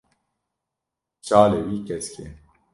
şalê wî kesk e.